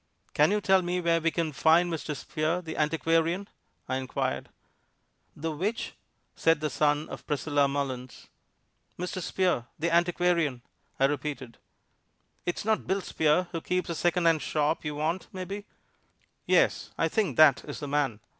"Can you tell me where we can find Mr. Spear, the antiquarian?" I inquired. "The which?" said the son of Priscilla Mullins. "Mr. Spear, the antiquarian," I repeated. "It's not Bill Spear who keeps a secondhand shop, you want, mebbe?" "Yes; I think that is the man."